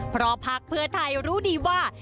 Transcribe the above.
เพราะภาคเพื่อไทยรู้ดีว่า